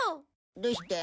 どうして？